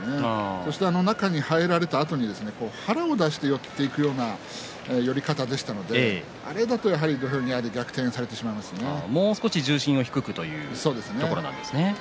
そして中に入れられたあとに腹を出して寄っていくような寄り方でしたのであれだとやはり土俵際でもう少し重心を低くというところなんですね。